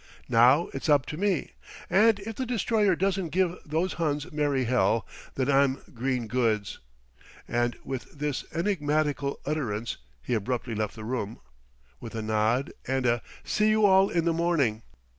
"Now it's up to me, and if the Destroyer doesn't give those Huns merry hell, then I'm green goods;" and with this enigmatical utterance he abruptly left the room, with a nod, and a "See you all in the morning."